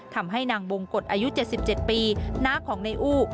ทำให้นางบงกฎอายุ๗๗ปีน้าของในอู้